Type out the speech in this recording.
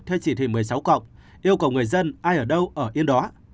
theo chỉ thị một mươi sáu cộng yêu cầu người dân ai ở đâu ở yên đó